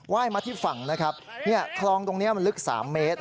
ยมาที่ฝั่งนะครับคลองตรงนี้มันลึก๓เมตร